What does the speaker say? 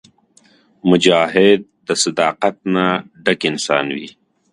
مجاهد د صداقت نه ډک انسان وي.